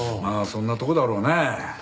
まあそんなとこだろうねえ。